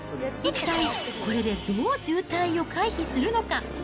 一体これでどう渋滞を回避するのか。